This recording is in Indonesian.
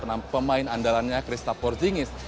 karena pemain andalannya christa porzingis